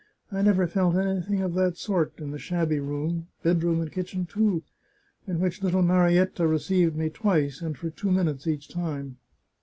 I never felt anything of that sort in the shabby room — bedroom and kitchen, too— in which little Marietta received me twice, and for two minutes each time!